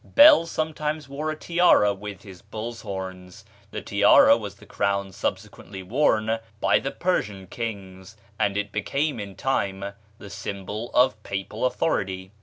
Bel sometimes wore a tiara with his bull's horns; the tiara was the crown subsequently worn by the Persian kings, and it became, in time, the symbol of Papal authority.